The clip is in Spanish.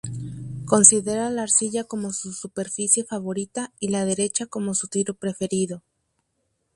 Considera la arcilla como su superficie favorita y la derecha como su tiro preferido.